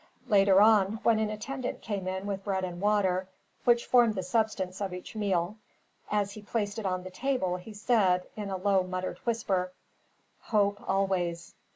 Later on, when an attendant came in with the bread and water, which formed the substance of each meal, as he placed it on the table he said, in a low muttered whisper: "Hope always.